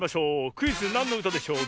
クイズ「なんのうたでしょう」